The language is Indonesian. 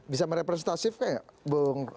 bisa merepresentasifnya ya bu